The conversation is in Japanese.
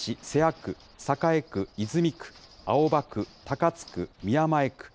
区、栄区、泉区、青葉区、高津区、宮前区。